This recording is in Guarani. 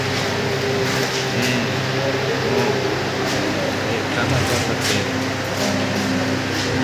Héẽ, no. Rehekámapa tapére.